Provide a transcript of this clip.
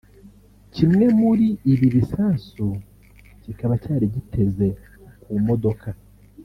kimwe muri ibi bisasu kikaba cyari giteze ku mudoka